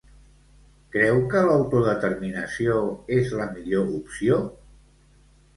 Creu que l'autodeterminació és la millor opció?